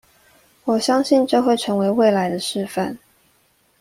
我相信這會成為未來的示範